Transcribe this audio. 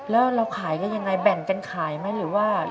แล้วเราขายกันยังไงแบ่งกันขายไหมหรือว่า